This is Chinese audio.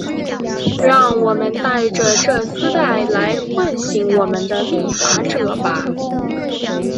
让我们戴着这丝带来唤醒我们的立法者吧。